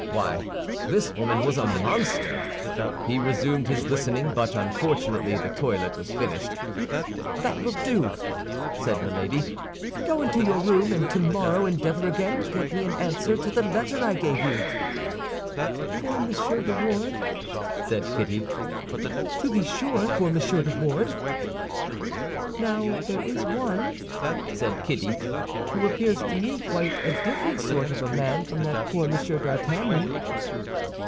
Why, this woman was a monster! He resumed his listening, but unfortunately the toilet was finished. "That will do," said Milady; "go into your own room, and tomorrow endeavor again to get me an answer to the letter I gave you." "For Monsieur de Wardes?" said Kitty. "To be sure; for Monsieur de Wardes." "Now, there is one," said Kitty, "who appears to me quite a different sort of a man from that poor Monsieur d'Artagnan."